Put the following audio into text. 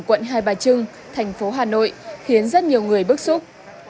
quận hai bà trưng thành phố hà nội khiến rất nhiều người bức xúc